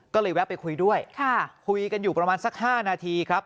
ก็เลยแวะไปคุยด้วยคุยกันอยู่ประมาณสัก๕นาทีครับ